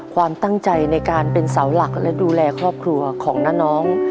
ความตั้งใจในการเป็นเสาหลักและดูแลครอบครัวของน้าน้อง